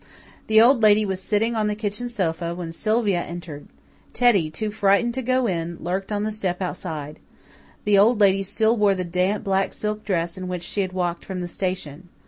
The Old Lady was sitting on the kitchen sofa when Sylvia entered. Teddy, too frightened to go in, lurked on the step outside. The Old Lady still wore the damp black silk dress in which she had walked from the station.